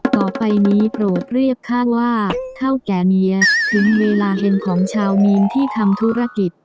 ต่อไปนี้โปรดเรียกข้างว่าเท่าแก่เนียถึงเวลาเห็นของชาวมีนที่ทำธุรกิจ